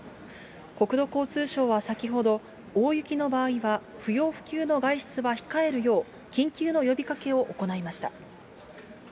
国土交通省は先ほど、大雪の場合は不要不急の外出は控えるよう、緊急の呼びかけを行いました。